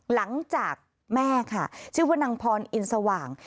หลังจากแม่ค่ะชื่อว่านางพรอินสว่าง